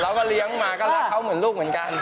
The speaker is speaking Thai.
เราก็เลี้ยงมาก็รักเขาเหมือนลูกเหมือนกัน